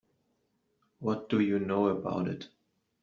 What do you know about it?